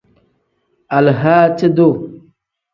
Alahaaci-duu.